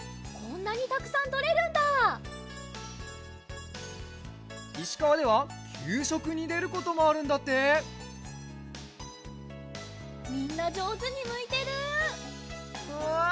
こんなにたくさんとれるんだいしかわではきゅうしょくにでることもあるんだってみんなじょうずにむいてるうわ